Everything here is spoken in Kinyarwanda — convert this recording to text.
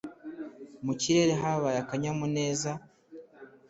Mu kirere habaye akanyamuneza